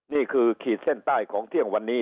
ขีดเส้นใต้ของเที่ยงวันนี้